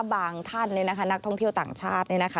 บางท่านเลยนะคะนักท่องเที่ยวต่างชาติเลยนะคะ